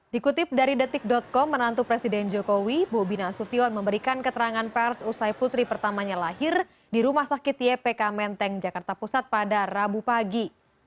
dikutip dari detik com menantu presiden jokowi bobi nasution memberikan keterangan pers usai putri pertamanya lahir di rumah sakit ypk menteng jakarta pusat pada rabu pagi